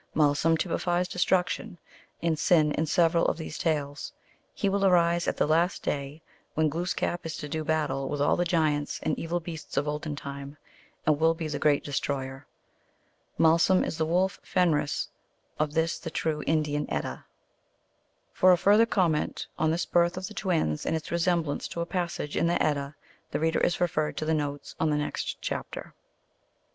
Malsum typifies destruction and sin in several of these tales. He will arise at the last day, when Glooskap is to do battle with all the giants and evil beasts of olden time, and will be the great destroyer. Malsum is the Wolf Fenris of this the true Indian Edda. For a further comment on this birth of the twins and its resemblance to a passage in the Edda, the reader is referred to the notes on the next chapter.